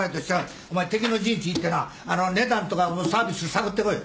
お前敵の陣地行ってな値段とかサービス探ってこい。